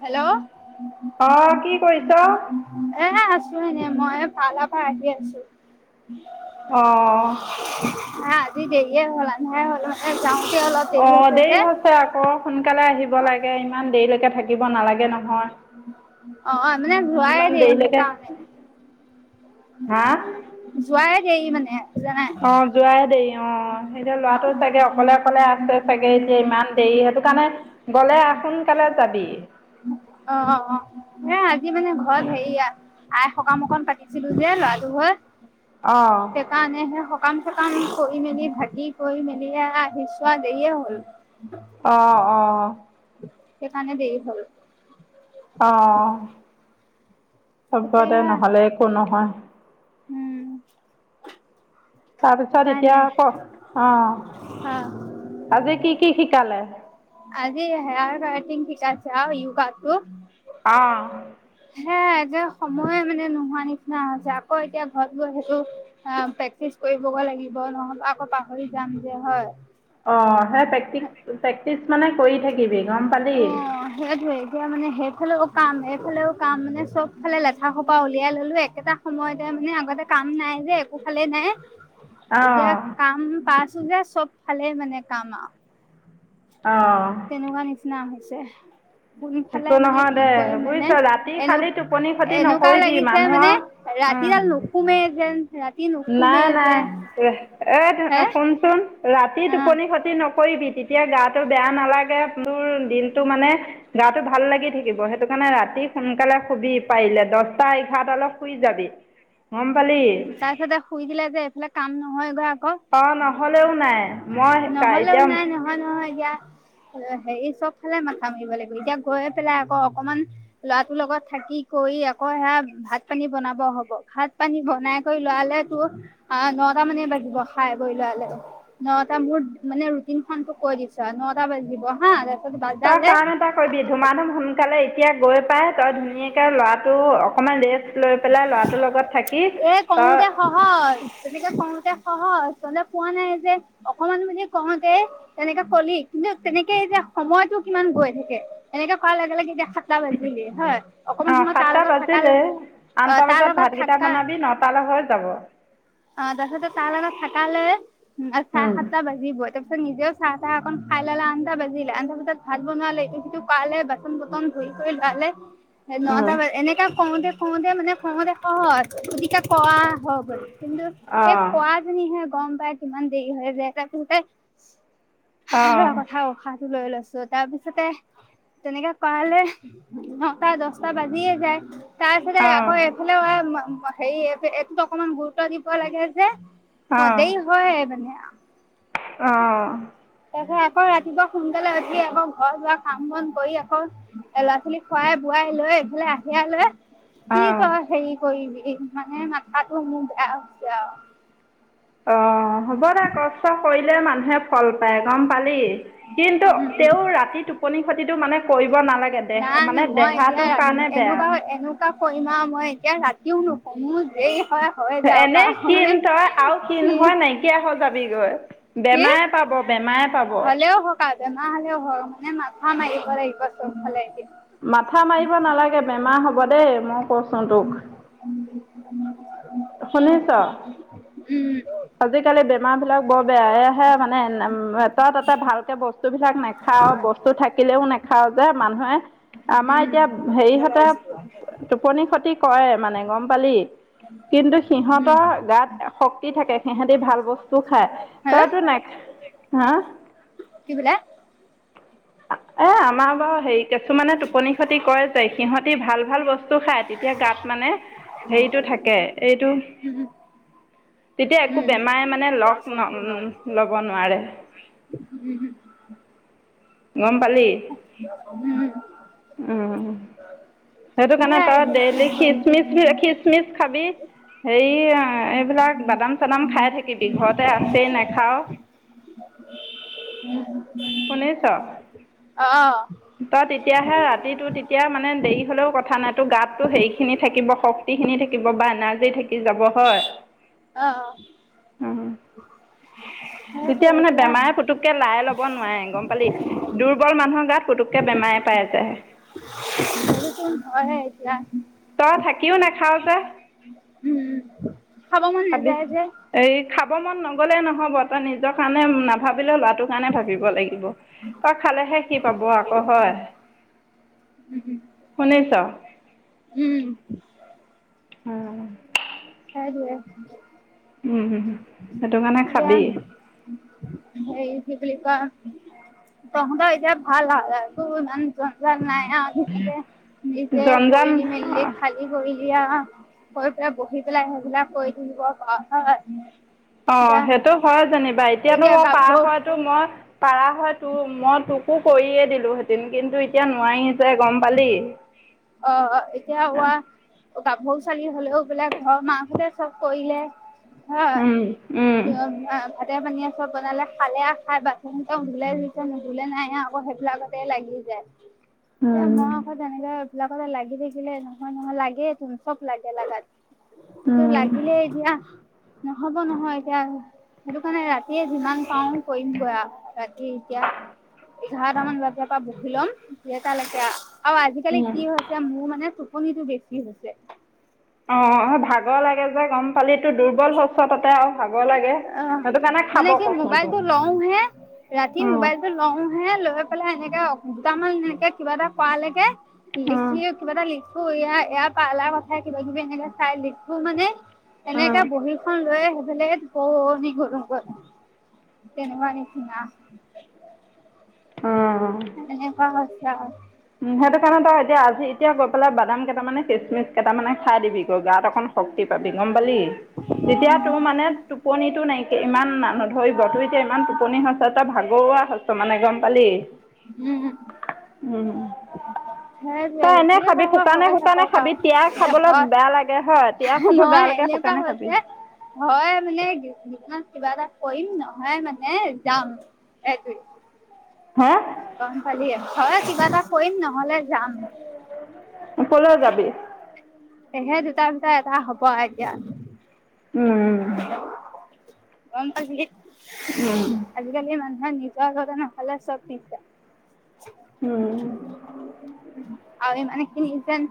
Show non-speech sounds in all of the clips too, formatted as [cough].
Hello! অ' কি কৰিছ? এ আছো এনে মই পালাৰ পৰা আহি আছো। অ' অহ আজি দেৰিয়ে হ'ল আন্ধাৰে হ'ল মানে যাওঁতে অলপ অ' হৈছে দেৰি যে। হৈছে আকৌ। সোনকালে আহিব লাগে ইমান দেৰিলেকে থাকিব নালাগে নহয়। অ মানে যোৱাই ইমান দেৰি দেৰিলেকে সেইকাৰণে হা! যোৱায়ে দেৰি মানে। জানাই। অ যোৱাই দেৰি, অ। এতিয়া ল'ৰাটো চাগে অকলে-অকলে আছে চাগে এতিয়া ইমান দেৰি সেইটো কাৰণে গ'লে সোনকালে যাবি। অ অ অ, সেই আজি মানে ঘৰত হেৰি আই সকাম অকণ পাতি ছিল যে লৰাটোৰ হৈ। অ। কাৰণে সেই সকাম-চকাম কৰি মেলি ভাগি কৰি মেলি এ আহি চোৱে, দেৰিয়ে হ'ল। [unintelligible] অ অ। সেইকাণে দেৰি হ'ল। অ অ, হ'ব্ব দে এতিয়া নহ'লে একো নহয়। উম। তাৰপিছত উপায় এতিয়া নাই ক, অ। অ আজি কি কি শিকালে? আজি হেয়াৰ কাৰ্টিং শিকাইছে আৰু ইউ কাৰ্তটো। অঁ। সেয়াই এটিয়া সময়ে মানে নোহোৱা নিচিনা হৈছে। আকৌ এতিয়া ঘৰত গৈ সেইটো অ প্ৰেক্টিচ কৰিবগে লাগিব নহবা আকৌ পাহৰি যাম যে, হয়! অঁ, সেই প্ৰেক্টিক প্ৰেক্টিচ মানে কৰি থাকিবি, গম পালি? অ সেইটোৱেই। এতিয়া মানে সেইফালেও কাম এইফালেও কাম মানে চবফালে লেঠা সোপা উলিয়াই ললো একেটা সময়তে মানে আগতে কাম নাই যে একো ফালে নাই এতিয়া অ', কাম পাইছো যে চব ফালে মানে কাম আৰু। অঁ। তেনেকুৱা নিচিনা হৈছে। কোনফালে একো মানে নহয় কি দে কৰি মানে বুজিছ ৰাতি এনে খালি টোপনি খতি এনেকুৱা নকৰিবি লাগিছে মানুহৰ মানে উম, ৰাতিডাল নুশুমে যেন। ৰাতি নুশুমে নাই নাই, যে এহ এ হে শুনচোন ৰাতি অ টোপনি ক্ষতি নকৰিবি তি তিয়া গাটো বেয়া নালাগে। তোৰ দিনটো মানে গাটো ভাল লাগি থাকিব। সেইটো কাৰণে ৰাতি সোনকালে শুবি পাৰিলে দছটা এঘাৰটা লে শুই যাবি। [unintelligible] উম তাৰ পিছতে শুই দিলে যে এইফালে কাম নহয়গৈ আকৌ। অ নহলেও নাই। মই কাই নহ'লেও এতিয়া নাই নহয় নহয় এতিয়া। হেৰি চব ফালে মাথা মাৰিব লাগিব, এতিয়া গৈ পেলাই আকৌ অকমান ল'ৰাটোৰ লগত থাকি কৰি আকৌ সেয়া ভাত-পানী বনাব হব। ভাত পানী বনাই কৰি লোৱালে তোৰ অ নটা মানে বাজিব খাই বৈ লোৱালে। নটা মোৰ মানে ৰুটিন খন তোক কৈ দিছো আ নটা বাজি দিব হা! তই বাজালে কাম এটা কৰিবি, ধুমা-ধুম সোনকালে এতিয়া গৈ পাই তই ধুনীয়াকে ল'ৰাটো অকমান ৰেষ্ট লৈ পেলাই ল'ৰাটোৰ লগত থাকি এ তই কৰোতে সহজ, তেনেকে কওঁতে সহজ [unintelligible] পোৱা নাই যে অকমান বুলি কওঁতে তেনেকে কলি কিন্তু, তেনেকে এতিয়া সময়টো কিমান গৈ থাকে, এনেকে কৰাৰ লগে লগে এতিয়া তা বাজিলে হয়, অকমান অঁ সময় তাৰ সাতটা লগত থাকালে বাজিলেই আঠটা বজাত ভাতকেইটা বনাবি, নটালে হৈ যাব। অ তাৰপাছতে তাৰ লগত থাকালে, চাৰে সাতটা বাজি বাজিবই তাৰ পিছত নিজেও চাহ - টাহ অকন খাই ল'লে, আঠটাবাজিলে, আঠটা বজাত ভাত বনোৱালৈকে সিটো কালে বাট বাচন -বৰ্তন ধুই কৰি লোৱালে অঁ নটা বাজে এনেকে কওঁতে, কওঁতে মানে, কওঁতে সহজ, পিটিকে কৰা গ'ল কিন্তু অঁ সেই অঁ কোৱাজনীহে গম পাই কিমান দেৰি হৈ যায়। তাৰপিছতে কথা উসাহটো লৈ লৈছো, তাৰপিছতে তেনেকে কৰালে, নটা দশটা বাজিয়ে যায়। তাৰপিছতে অঁ আকৌ এইফালেও, হেৰি এইটোত অকমান গুৰুত্ব দিব লাগে যে। অ দেৰি হয় মানে আৰু। অঁ তাৰপিছত আকৌ ৰাতিপুৱা সোনকালে উঠি, আকৌ ঘৰ দুৱাৰ কাম বন কৰি আকৌ। লৰা- ছোৱালী খোৱাই বোৱাই লৈ এইফালে আহিয়া লৈ কি অঁ তই হেৰি কৰিবি, মানে মাথাতো মোৰ বেয়া হৈছে আৰু। অ হ'ব দে, কষ্ট কৰিলে মানুহে ফল পাই গম পালি, কিন্তু তেওঁ ৰাতি টোপনি খতিটো মানে কৰিব নালাগে। দেহ মানে নাই মই এতিয়া দেহাটোৰ ৰাতি কাৰণে বেয়া এনেকুৱা এনো কৰিম আৰু মই এতিয়া ৰাতিও নুশুও, মোৰ দেৰি হয়। হৈ যাওক আৰু এনেই মানে ক্ষীণ তই আৰু ক্ষীণ কি হৈ নাইকিয়া হৈ যাবিগৈ। কি বেমাৰে পাব, বেমাৰে পাব। হ'লেও হওক বেমাৰ হ'লেও হয় মানে মাথা মাৰিব লাগিব চবফালে এতিয়া। মাথা মাৰিব নালাগে, বেমাৰ হ'ব দেই মই কৈছোঁ তোক। [unintelligible] শুনিছ? উম। আজিকালি বেমাৰ বিলাক বৰ বেয়া, এইয়াহে মানে তই তাতে ভালকে বস্তুবিলাক নাখাওঁ, বস্তু থাকিলেও নেখাও খাওঁ যে মানুহে আমাৰ উম' এতিয়া ভোজলে হেৰিহঁতে আহিছিলো। টোপনি খতি কৰে মানে গম পালি, কিন্তু উম সিহঁতৰ গাত শক্তি থাকে। সিহঁতি ভাল বস্তু খাই, হে তইতো না হা? কি বোলে? এ আমাৰ বাৰু হেৰি কিছুমানে টোপনি খতি কৰে যে, সিহঁতি ভাল ভাল বস্তু খায় তেতিয়া গাত মানে হেৰিটো থাকে এইটো উম তেতিয়া একো উম বেমাৰে মানে লগ ল'ব নোৱাৰে। উম' হুম'। গম পালি? উম। উম 'সেইটো কাৰণে সেয়াই তই এতিয়া কি ডেইলি খিচমিচ, কৰিবি খিচমিচ খাবি। হেৰি এইবিলাক বাদাম চাদাম খাই থাকিবি, ঘৰতে আছেই নেখাওঁ। শুনিছ? অ। তই তেতিয়াহে ৰাতিটো তেতিয়া মানে দেৰি হ'লেও কথা নাই, তোৰ গাতটো হেৰিখিনি থাকিব শ গুটিখিনি থাকিব বা এনাৰ্জী থাকি যাব হয়। অ অ। উম, সেইটো তেতিয়া মানে এতিয়া বেমাৰে পুতুককে লাই লব নোৱাৰে গম পালি। দুৰ্বল মানুহৰ গাত পুতুককে বেমাৰে পাই যাই। এইটো। মই সেই এতিয়া। তই থাকিও নাখাও যে। উম খাব মন খাবি। নাযায় যে। এই খাব মন নগ'লেই নহ'ব। তই নিজৰ কাৰণে নাভাবিলে ল'ৰাটোৰ কাৰণে ভাবিব লাগিব তই খালে হে খি। চাব আক হয় শুনিছ। হুম। উম। সেইটোৱে। হুম হুম সেইটো কাৰণে খাবি। সেই বুলি কোৱা তহঁতৰ এতিয়া ভাল হা ত মানে নাই য়া তেনেকে নিজে কৰিলি মেলি জঞ্জাল খালি। কি কৰিলা আ হৈ পেলাই বহি পেলাই সেইবিলাক কৰি থাকিব পাওঁ হয়। অ এতিয়া সেইটো হয় যেনিবা এতিয়াতো এতিয়া মই পাৰা গাভৰু হয়তো মই পাৰা হয় তোৰ মই তোক। একো কৰিয়ে দিলোঁহেঁতেন কিন্তু এতিয়া নোৱাৰিছে গম পালি। অ অ কিয় হোৱা। গাভৰু ছোৱালী হ'লেও বোলে ঘৰৰ মাকাসোহঁতে চব কৰিলে। অ অ। তাতে পানীয়ে চব বনালে খালে খাই বাথৰুমটা উলাইছে নুবুলে নাই আকৌ সেইবিলাকতেই লাগি যায়। উ। এতিয়া মই আকৌ তেনেকে এইবিলাকতে লাগি থাকিলে নহয় নহয় লাগেই ত চব লাগে। সেইটো লাগিলে এতিয়া নহ'ব নহয় এতিয়া। সেইটো কাৰণে ৰাতিয়ে যিমান পাওঁ কৰিম বৈ ৰাতি এতিয়া। এঘাৰটামান বজাৰ পৰা বহি ল'ম সেইতালৈকে আৰু আজিকালি। কি হৈছে মোৰ মানে মানে টোপনিটো বেছি হৈছে। অ অ ভাগৰ লাগে যে গম ফালিটো দুৰ্বল শছ তাতে আৰু ভাগৰ লাগে অহ সেইটো কাৰণে খাব মানে কি ক। মোবাইলটো লওঁ হে। ৰাতি মোবাইলটো লও হে লৈ পেলাই এনেকে দুটামান এনেকে কিবা এটা কৱালেকে। অঁ লিখিয়ে কিবা এটা লিখো ই এাৰ পাৰ্লাৰ কথাই কিবা কিবি এনেকে চাই লিখো মানে। এনেকাে অঁ বহী খন লৈ সেইফালে। অ নি গৰম ব তেনে নিছিনা। অঁ সেনে কোৱা অভ্যাস। উম সেইটো কাৰণে তই এতিয়া আজি এতিয়া গৈ পেলাই বাদাম কেইটামানে খচমিচ কেইটামানে খাই দিবি গৈ গাৱত অকণ শক্তি পাবি গম পালি তেতিয়া তোৰ মানে টোপনিটো নাইকিয়া ইমান ন ধৰিব তোৰ এতিয়া ইমান টোপনিছ এটা ভাগৰুৱা হৈছো মানে গম পালি। উম উম উম। সেইটোৱেই যিহয় শুকানে হৈ শুকানে থাক আ খাবি তিয়াই এ খাবলৈ হয়। বেয়া লাগে হয় তিয়াই খাব বেয়া নহয় লাগে এনেকুৱা শুকানে খাবি হৈছে। হয় মানে কিবা এটা কৰিম নহয় মানে যাম এইটো হা গম পালি হয় কিবা এটা কৰিম নহলে যাম কলৈও যাবি তেহে দুটামটা এটা হ'ব আও এতিয়া উম উ [unintelligible] উম [unintelligible] আৰু ইমানে খিনি যেন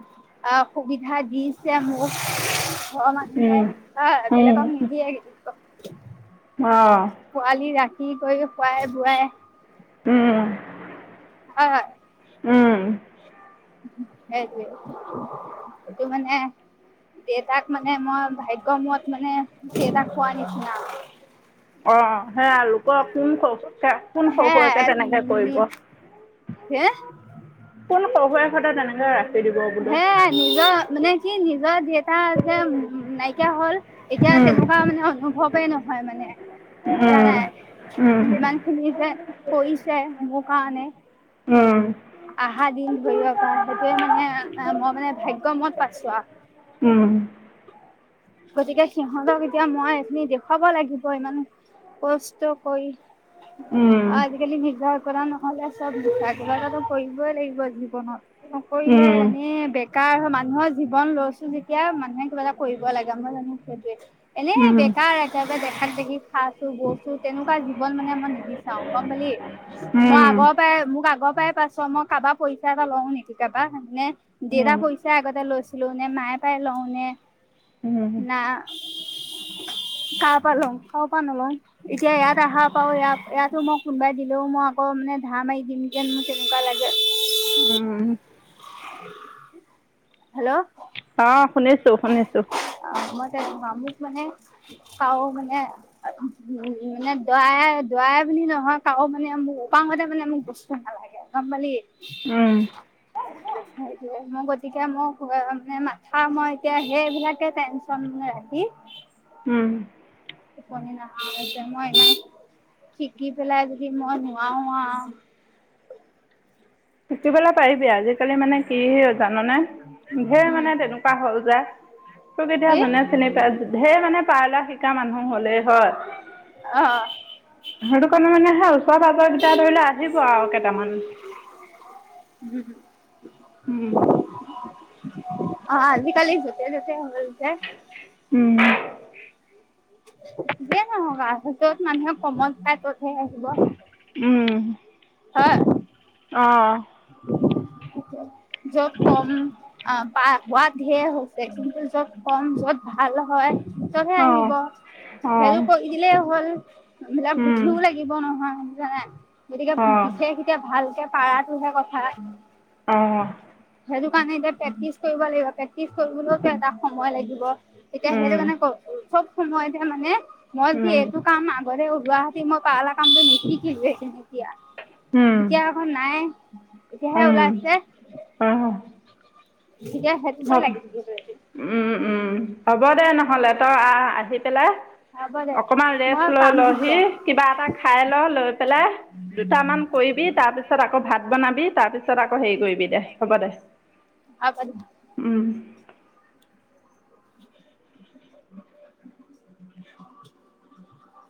আহ সুবিধা দিছে মোক ঘৰৰ মানুহে অ বেলেগ নিদিয়ে কিন্তু অ পোৱালি ৰাতি কৰি খুৱাই বোৱাই উম হয় হয় [inaudible] এই যে সেইটো মানে দেউতাক মানে মই ভাগ্যৰ মত মানে দেউতাক খোৱা নিচিনা অ সেয়া লোকৰ কোন হুয়েকে কোন হে হুয়েকে তেনেকে কৰিব হে [inaudible] কোন হুয়েক সেতে তেনেকে ৰাখি দিব বোলো নিজা মানে কি নিজ জিয়েক এটা যে উ নাইকিয়া হল এতিয়া তেনেকুৱা মানে অনুভৱেই নহয় মানে বুজানাই ইমানখিনি যে কৰিছে মোৰ কাৰনে উম আহা দিন ধৰি অকা সেইটোৱে মানে মই মানে ভাগ্য মত পাইছো আৰু উম গতিকে সিহঁতক এতিয়া মই এখিনি দেখুৱাব লাগিব ইমান কষ্ট কৰি আজিকালি নিৰ্জাৰ কৰা নহলে চব ক কিবা এটাটো কৰিবই লাগিব জীৱনত নকৰিলে এনে কাৰ মানুহৰ জীৱন লৈছো যেতিয়া মানুহে কিবা এটা কৰিব লাগে মই জানো সেইটোৱে এনে বেকাৰ কেতিয়াবা দেখাত দেখি খাইছো গৈছো তেনেকুৱা জীৱন মানে মই নিবিচাৰো গম পালি মই আগৰ পৰাই মোক আগৰ পৰাই পাইছো মই কাৰোবাৰ পইচা এটা লও নেকি কাৰোবাৰে [unintelligible] পইচা আগতে লৈছিল নে মায়ে পাইয় লওঁনে না কাৰ পাৰ লও কাৰো পৰা নলোও এতিয়া ইয়াত আহা পাওঁ ইয়াত ইয়াতো মোক কোনোবাই দিলেও মই আকৌ মানে ধা মাৰি দিম [unintelligible] লাগে উম হেল্ল' অ শুনিছো শুনিছো [unintelligible] কাৰ ত মোক মানে কাও মানে উ মানে দৰা দৰাই বুলি নহয় কাৰো মানে মোৰ অকাংশতে মানে মোক বস্তু নালাগে গম পালি গম পালি উম সেইটোৱে মোৰ গতিকে মোক মে মানে মাথা মই তিয়া সেবিলাকে টেনশ্যন আহি উম। [unintelligible] মই ইমান শিকি পেলাই যদি মই নোৱাৰোঁ আৰু। শিকি পেলাই পাৰিবি, আজি কালি মানে কি জানানে, ধেৰ উম মানে তেনেকুৱা হ'ল যে। তোক এতিয়া কি যোনে চিনি পাই, ঢেৰ মানে পাৰ্লা শিকা মানুহ হ'লেই হয়। অ'। সেইটো কাৰণে মানে সেই ওচৰে পাজৰে কেইটা ধৰি লও আহিব আৰু কেইটামান। [unintelligible] উম। অ' আজিকালি য'তে ত'তে হ'ল যে। উম। যিয়ে নহওঁক আৰু য'ত মানুহে কমত পাই ত'তহে আহিব। উম। হয়। অ'। [inaudible] য'ত কম অ' হোৱাত ঢেৰ হৈছে কিন্তু য'ত কম' য'ত ভাল হয় ত'তে আহিব, অঁ অঁ হেইটো কৰি দিলেই হ'ল। বিলাক উম বুধিও লাগিব নহয়, বুজা নাই, গতিকে অঁ বিশেষ এতিয়া ভালকে পাৰাটোহে কথা। অ'। সেইটো কাৰণে এতিয়া প্ৰেক্টিচ কৰিব লাগিব, প্ৰেক্টিচ কৰিবলৈতো এটা সময় লাগিব, এতিয়া উম সেইটো কাৰণে চব সময়তে মানে মই কি উম এইটো কাম আগতে ওলোৱা তে মই পালৰ কামটো নিশিকিলোৱেই। তিয়া। উম তেতিয়া এখন নাই, এতিয়াহে ওলাইছে। অ'। গতিকে হেইটোতে লাগি [unintelligible] উম, উম। হ'ব দে নহ'লে, তই আহ, আহি পেলাই হ'ব দে অকমান মই ৰেষ্ট লৈ পাম লহি, এতিয়া কিবা এটা খাই ল লৈ পেলাই দুটামান কৰিবি তাৰপিছত আকৌ ভাত বনাবি তাৰপিছত আকৌ হেৰি কৰিবি, দে হ'ব দে। [unintelligible] উম। [inaudible]